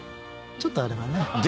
ちょっとあれはね。